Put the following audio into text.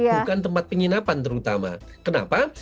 bukan tempat penginapan terutama kenapa